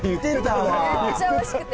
めっちゃおいしくて。